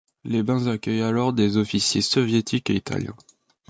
Les bains accueillent alors des officiers soviétiques et italiens.